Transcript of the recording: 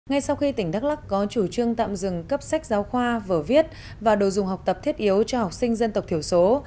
ngay sau khi tỉnh đắk lắc có chủ trương tạm dừng cấp sách giáo khoa vở viết và đồ dùng học tập thiết yếu cho học sinh dân tộc thiểu số